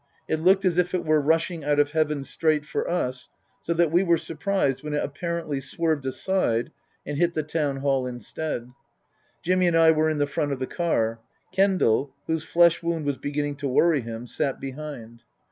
It looked as if it were rushing out of heaven straight for us, so that we were surprised when it apparently swerved aside and hit the Town Hall instead. (Jimmy and I were in the front of the car. Kendal, whose flesh wound was beginning to worry him, sat behind.)